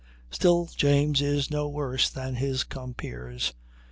Still, James is no worse than his compeers.